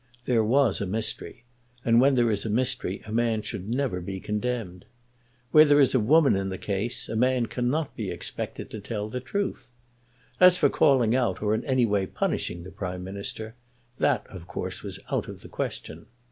There was a mystery; and when there is a mystery a man should never be condemned. Where there is a woman in the case a man cannot be expected to tell the truth. As for calling out or in any way punishing the Prime Minister, that of course was out of the question.